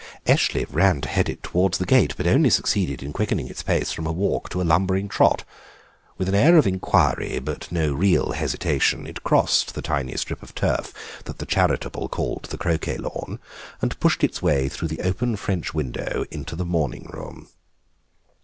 Eshley ran to head it towards the gate, but only succeeded in quickening its pace from a walk to a lumbering trot. With an air of inquiry, but with no real hesitation, it crossed the tiny strip of turf that the charitable called the croquet lawn, and pushed its way through the open French window into the morning room.